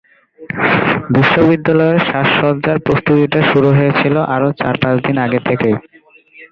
বিশ্ববিদ্যালয়ের সাজসজ্জার প্রস্তুতিটা শুরু হয়েছিল আরও চার পাঁচ দিন আগে থেকেই।